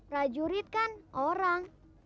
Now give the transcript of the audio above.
rajurit kan orang